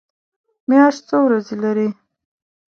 میاشت څو ورځې لري؟